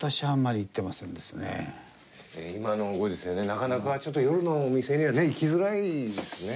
なかなかちょっと夜のお店にはね行きづらいですね。